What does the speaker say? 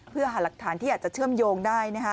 เพื่อหาหลักฐานที่อาจจะเชื่อมโยงได้